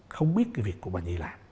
không biết cái việc của bà nhi làm